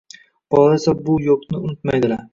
Bolalar esa bu “yo‘q”ni unutmaydilar